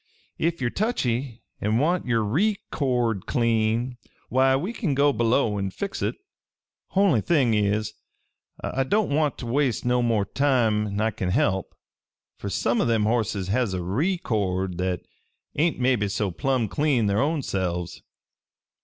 Ef ye're touchy an' want yer ree cord clean, why, we kin go below an' fix hit. Only thing is, I don't want ter waste no more time'n I kin help, fer some o' them horses has a ree cord that ain't maybe so plumb clean their own selves.